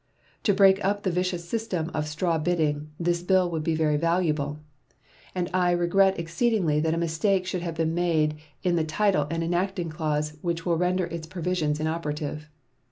To break up the vicious system of straw bidding, this bill would be very valuable, and I regret exceedingly that a mistake should have been made in the title and enacting clause which will render its provisions inoperative.